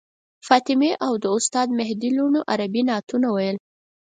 فاطمې او د استاد مهدي لوڼو عربي نعتونه ویل.